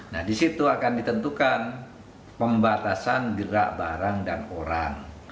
nah disitu akan ditentukan pembatasan gerak barang dan orang